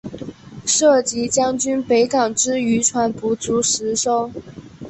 设籍将军北港之渔船不足十艘。